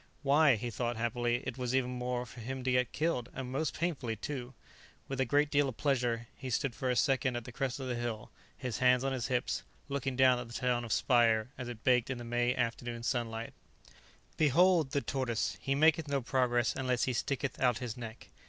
Why, he thought happily, it was even possible for him to get killed, and most painfully, too! With a great deal of pleasure, he stood for a second at the crest of the hill, his hands on his hips, looking down at the town of Speyer as it baked in the May afternoon sunlight. _"Behold the Tortoise: He maketh no progress unless he sticketh out his neck."